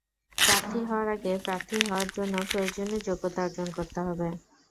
প্রার্থী হওয়ার আগে প্রার্থী হওয়ার জন্য প্রয়োজনীয় যোগ্যতা অর্জন করতে হবে।